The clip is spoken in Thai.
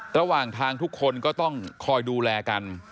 ระหว่างทางทุกคนก็ต้องคอยดูแลกัน